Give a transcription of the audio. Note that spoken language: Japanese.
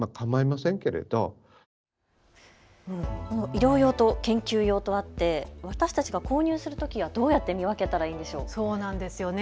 医療用と研究用とあって私たちが購入するときはどうやって見分けたらいいんでしょうか。